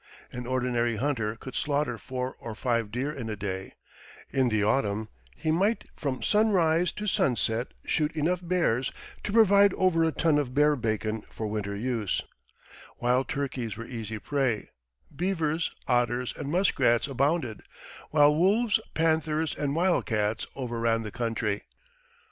An ordinary hunter could slaughter four or five deer in a day; in the autumn, he might from sunrise to sunset shoot enough bears to provide over a ton of bear bacon for winter use; wild turkeys were easy prey; beavers, otters, and muskrats abounded; while wolves, panthers, and wildcats overran the country.